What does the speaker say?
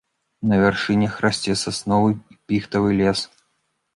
На вяршынях расце сасновы і піхтавы лес.